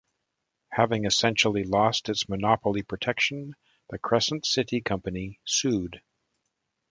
Having essentially lost its monopoly protection, the Crescent City Company sued.